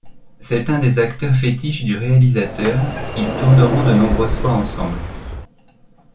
C'est un des acteurs fétiches du réalisateur, ils tourneront de nombreuses fois ensemble.